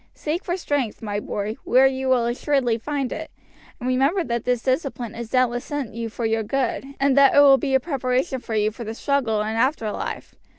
Seek for strength, my boy, where you will assuredly find it, and remember that this discipline is doubtless sent you for your good, and that it will be a preparation for you for the struggle in after life.